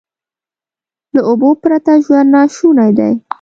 له اوبو پرته ژوند ناشونی دی.